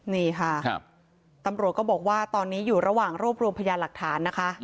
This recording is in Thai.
นี่ค่ะตำรวจก็บอกว่าตอนนี้อยู่ระหว่างรวบรวมพยานหลักฐานนะคะ